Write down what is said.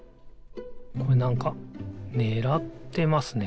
これなんかねらってますね。